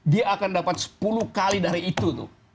dia akan dapat sepuluh kali dari itu tuh